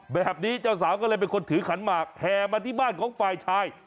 แบบนี้เจ้าสาวก็เลยเป็นคนถือขันหมากแห่มาที่บ้านของฝ่ายชาย